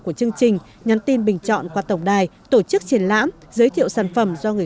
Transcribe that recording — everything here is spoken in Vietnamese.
của chương trình nhắn tin bình chọn qua tổng đài tổ chức triển lãm giới thiệu sản phẩm do người